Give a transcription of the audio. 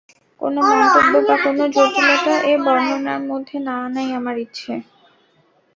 কোনো মন্তব্য বা কোনো জটিলতা এ বর্ণনার মধ্যে না আনাই আমার ইচ্ছে।